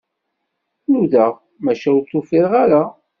Nudaɣ, maca ur t-ufiɣ ara.